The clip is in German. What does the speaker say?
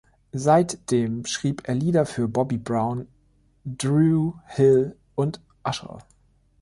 Seitdem schrieb er Lieder für Bobby Brown, Dru Hill und Usher.